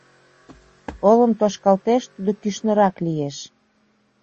Олым тошкалтеш — тудо кӱшнырак лиеш.